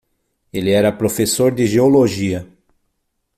Ele era professor de geologia.